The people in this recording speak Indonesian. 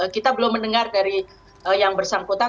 kita belum mendengar dari yang bersangkutan